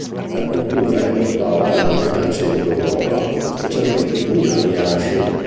La cultura importava rame dal Centro Europa, specialmente pugnali e asce.